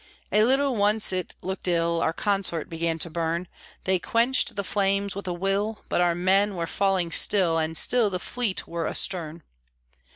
A little, once, it looked ill, Our consort began to burn They quenched the flames with a will, But our men were falling still, And still the fleet were astern.